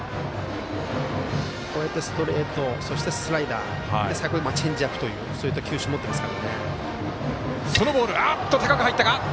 こうやって、ストレートそして、スライダー最後にチェンジアップという球種を持っていますから。